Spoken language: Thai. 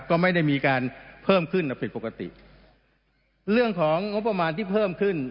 ก็ไม่ได้มีการเพิ่มขึ้นผิดปกติเรื่องของงบประมาณที่เพิ่มขึ้น